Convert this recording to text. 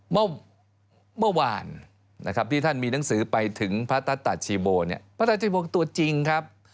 เมื่อวานนะครับที่ท่านมีหนังสือไปถึงพระตตาชีโบเนี่ยพระตาชีโบตัวจริงครับ